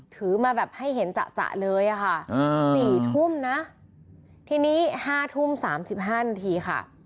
ถือมาแบบให้เห็นจะจะเลยอะค่ะสี่ทุ่มนะทีนี้ห้าทุ่มสามสิบห้านาทีค่ะ